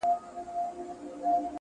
• ډك د ميو جام مي د زړه ور مــات كړ.